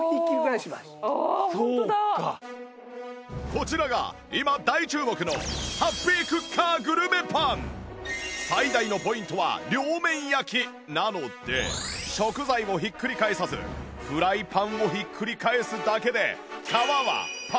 こちらが今大注目の最大のポイントは両面焼きなので食材をひっくり返さずフライパンをひっくり返すだけで